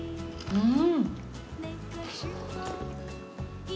うん。